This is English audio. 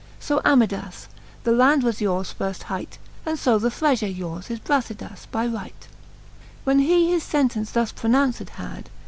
So Amidas, the land was yours firft hight. And fo the threafure yours is, BracidaSy by right. XX. When he his fentence thus pronounced had.